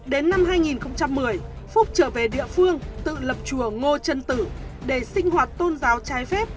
đến năm hai nghìn một mươi phúc trở về địa phương tự lập chùa ngô trân tử để sinh hoạt tôn giáo trái phép